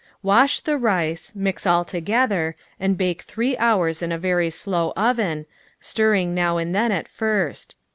Wash the rice, mix all together, and bake three hours in a very slow oven, stirring now and then at first.